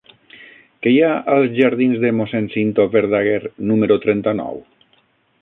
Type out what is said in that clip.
Què hi ha als jardins de Mossèn Cinto Verdaguer número trenta-nou?